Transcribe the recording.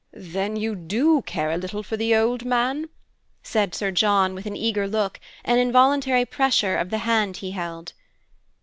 "Then you do care a little for the old man?" said Sir John with an eager look, an involuntary pressure of the hand he held.